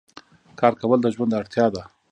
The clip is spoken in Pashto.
کار کول د ژوند اړتیا ده.